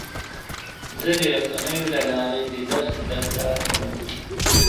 زه د رسنیو له لارې د درس زده کړه کوم.